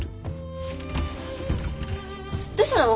・どうしたの？